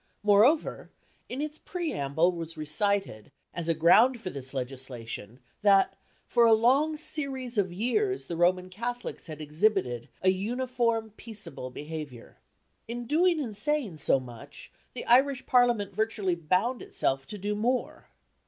Moreover, in its preamble was recited, as a ground for this legislation, that for "a long series of years" the Roman Catholics had exhibited an "uniform peaceable behaviour." In doing and saying so much, the Irish Parliament virtually bound itself to do more.